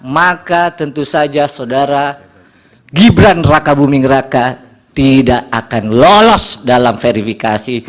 maka tentu saja saudara gibran raka buming raka tidak akan lolos dalam verifikasi